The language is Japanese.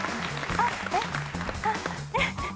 あっえっ。